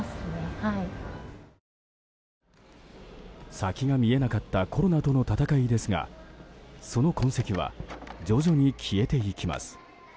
先が見えなかったコロナとの戦いですがその痕跡は徐々に消えていきます。